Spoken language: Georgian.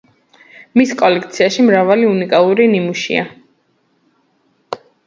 მის კოლექციაში მრავალი უნიკალური ნიმუშია.